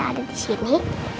ada di sini